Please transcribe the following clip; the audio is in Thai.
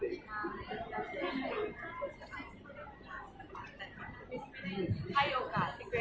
เวลาแรกพี่เห็นแวว